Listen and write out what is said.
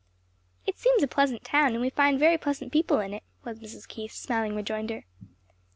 "It seems a pleasant town and we find very pleasant people in it," was Mrs. Keith's smiling rejoinder.